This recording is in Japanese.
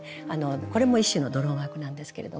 これも一種のドロンワークなんですけれども。